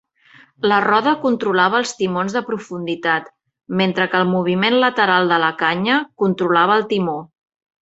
La roda controlava els timons de profunditat, mentre que el moviment lateral de la canya controlava el timó.